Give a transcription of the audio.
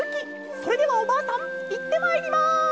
それではおばあさんいってまいります！」。